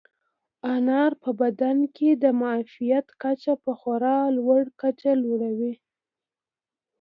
انار په بدن کې د معافیت کچه په خورا لوړه کچه لوړوي.